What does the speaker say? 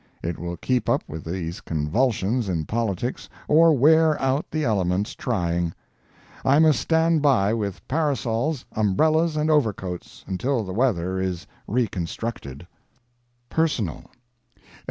It will keep up with these convulsions in politics or wear out the elements trying. I must stand by with parasols, umbrellas and overcoats until the weather is reconstructed. Personal.